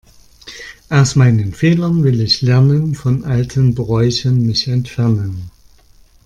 Aus meinen Fehlern will ich lernen, von alten Bräuchen mich entfernen.